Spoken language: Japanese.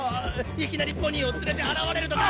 いきなりポニーを連れて現れるとか！